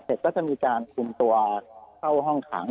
แต่เสร็จก็จะมีการกลุ่มตัวเข้าห้องถัง